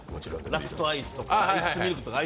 ラクトアイスとかアイスミルクとか。